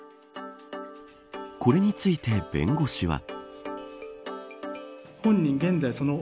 これについて弁護士は。